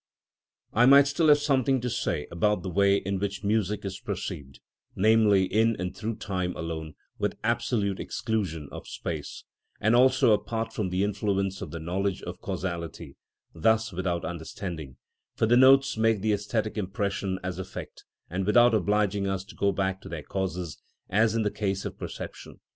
(63) I might still have something to say about the way in which music is perceived, namely, in and through time alone, with absolute exclusion of space, and also apart from the influence of the knowledge of causality, thus without understanding; for the tones make the æsthetic impression as effect, and without obliging us to go back to their causes, as in the case of perception.